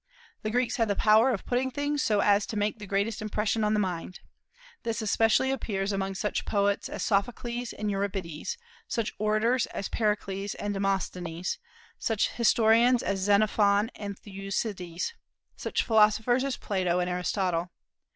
The Greeks had the power of putting things so as to make the greatest impression on the mind. This especially appears among such poets as Sophocles and Euripides, such orators as Pericles and Demosthenes, such historians as Xenophon and Thucydides, such philosophers as Plato and Aristotle.